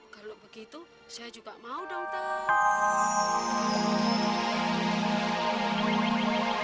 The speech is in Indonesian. kalau begitu saya juga mau dong